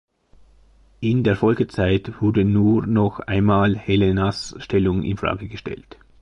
In der Folgezeit wurde nur noch einmal Helenas Stellung in Frage gestellt.